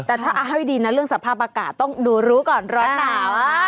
แต่ถ้าเอาให้ดีนะเรื่องสภาพอากาศต้องดูรู้ก่อนร้อนหนาว